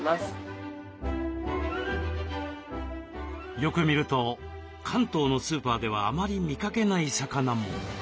よく見ると関東のスーパーではあまり見かけない魚も。